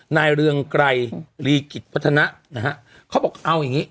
เรืองไกรลีกิจพัฒนะนะฮะเขาบอกเอาอย่างงี้